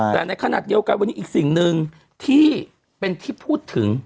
แต่ในขณะเดียวกันวันนี้อีกสิ่งหนึ่งที่เป็นที่พูดถึง